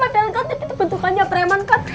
padahal kan kita bentukannya preman kan